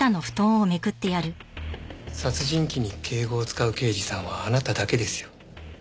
殺人鬼に敬語を使う刑事さんはあなただけですよ。